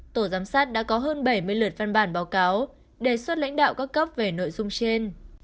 tổ giám sát đã có hơn bảy mươi lượt văn bản báo cáo đề xuất lãnh đạo các cấp về nội dung trên